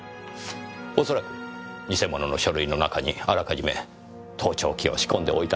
恐らく偽物の書類の中にあらかじめ盗聴器を仕込んでおいたのでしょう。